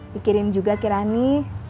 pikirin juga kirani